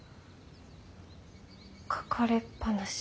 書かれっぱなし。